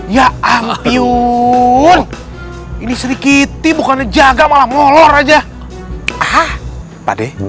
ya ampun ini sedikit di bukannya jaga malah ngolor aja